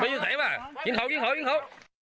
มาอยู่ไหนมากินเขา